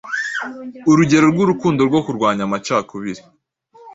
urugero rw’urukundo, rwo kurwanya amacakubiri